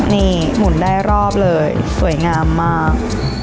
นี่หมุนได้รอบเลยสวยงามมาก